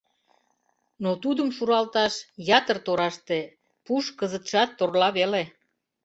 Но тудым шуралташ ятыр тораште, пуш кызытшат торла веле.